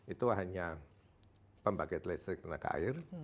itu hanya pembangkit listrik tenaga air